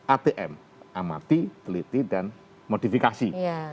atm amati teliti dan modifikasi